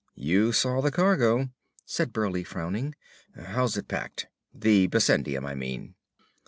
"You saw the cargo," said Burleigh, frowning. "How's it packed? The bessendium, I mean."